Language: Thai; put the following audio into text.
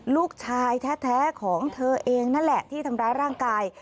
ลูกชายแท้ของเธอเองนั่นแหละที่ทำร้ายร่างกาย